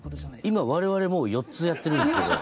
今我々もう４つやってるんですけど。